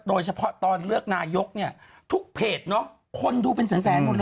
โดยเฉพาะตอนเลือกนายกเนี่ยทุกเพจเนอะคนดูเป็นแสนหมดเลย